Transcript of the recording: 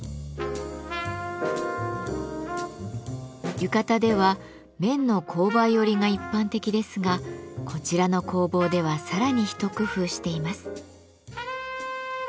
浴衣では綿の紅梅織が一般的ですがこちらの工房ではさらに一工夫しています。